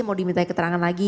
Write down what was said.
mau diminta keterangan lagi